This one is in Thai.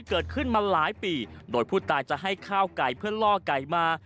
เกิดขึ้นมาหลายปีโดยผู้ตายจะให้ข้าวไก่เพื่อล่อไก่มา